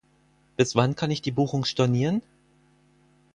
Bis wann kann ich die Buchung stornieren?